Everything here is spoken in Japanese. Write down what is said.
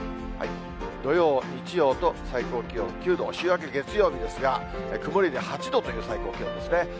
土曜、日曜と最高気温９度、週明け月曜日ですが、曇りで８度という最高気温ですね。